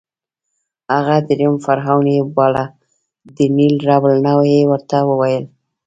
هغه درېیم فرعون یې باله، د نېل رب النوع یې ورته ویل.